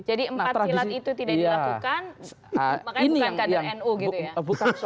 jadi empat silat itu tidak dilakukan makanya bukan ganda nu gitu ya